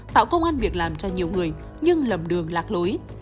tạo công an việc làm cho nhiều người nhưng lầm đường lạc lối